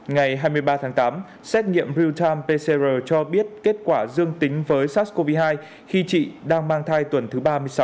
ngày hai mươi ba tháng tám xét nghiệm real time pcr cho biết kết quả dương tính với sars cov hai khi chị đang mang thai tuần thứ ba mươi sáu